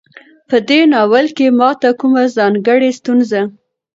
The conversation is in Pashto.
په دې ناول کې ماته کومه ځانګړۍ ستونزه